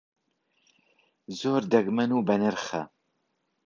زۆر دەگمەن و بەنرخە.